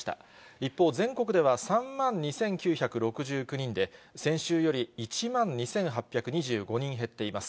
一方、全国では３万２９６９人で、先週より１万２８２５人減っています。